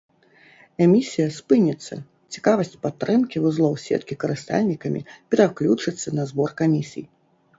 Эмісія спыніцца, цікавасць падтрымкі вузлоў сеткі карыстальнікамі пераключыцца на збор камісій.